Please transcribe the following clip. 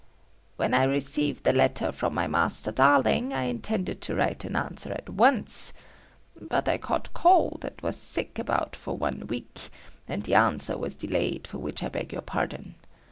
"When I received the letter from my Master Darling, I intended to write an answer at once. But I caught cold and was sick abed for about one week and the answer was delayed for which I beg your pardon.